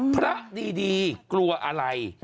พระดีกลัวอะไร